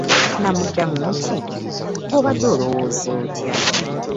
Namuddamu nti, “Ggwe obadde olowooza otya?”